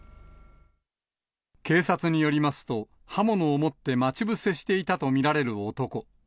警察によりますと、刃物を持って待ち伏せしていたと見られる男。